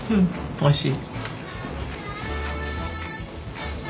おいしい？